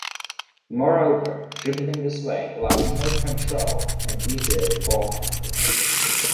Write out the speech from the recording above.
Moreover, dribbling this way allows more control and easier ball-handling.